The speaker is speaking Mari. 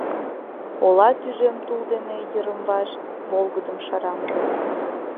Ола тӱжем тул дене йырым-ваш волгыдым шара.